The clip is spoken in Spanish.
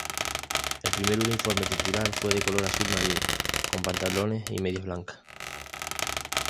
El primer uniforme titular fue de color azul marino, con pantalones y medias blancas.